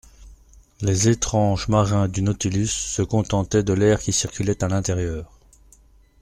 Les étranges marins du Nautilus se contentaient de l'air qui circulait à l'intérieur.